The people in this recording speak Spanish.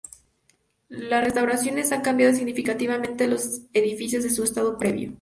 Las restauraciones han cambiado significativamente los edificios de su estado previo.